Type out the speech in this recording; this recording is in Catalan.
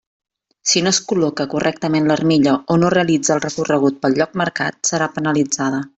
Si no es col·loca correctament l'armilla o no realitza el recorregut pel lloc marcat, serà penalitzada.